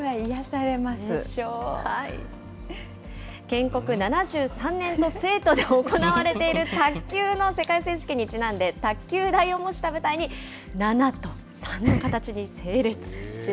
建国７３年と、成都で行われている卓球の世界選手権にちなんで、卓球台を模した舞台に７と３の形に整列。